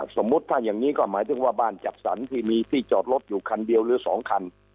สมมุติถ้าอย่างนี้ก็หมายถึงว่าบ้านจัดสรรที่มีที่จอดรถอยู่คันเดียวหรือ๒คัน